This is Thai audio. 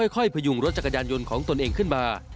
พยุงรถจักรยานยนต์ของตนเองขึ้นมา